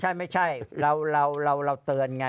ใช่ไม่ใช่เราเตือนไง